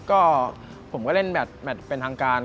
ก็ผมก็เล่นแมทเป็นทางการ